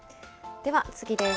では次です。